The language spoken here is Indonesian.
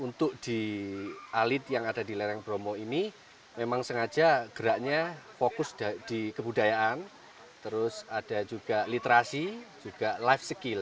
untuk di alit yang ada di lereng bromo ini memang sengaja geraknya fokus di kebudayaan terus ada juga literasi juga life skill